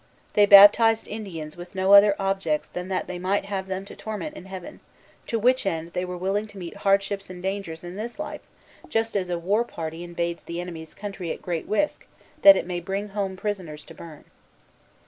They baptized Indians with no other object than that they might have them to torment in heaven; to which end they were willing to meet hardships and dangers in this life, just as a war party invades the enemy's country at great risk that it may bring home prisoners to burn.